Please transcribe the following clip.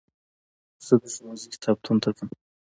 زه د ښوونځي کتابتون ته ځم.